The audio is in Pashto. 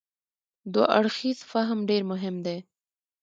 دوه اړخیز فهم ډېر مهم دی.